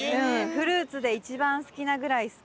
フルーツで一番好きなぐらい好き。